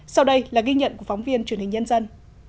sau đây là ghi nhận của phóng viên truyền hình nhân dân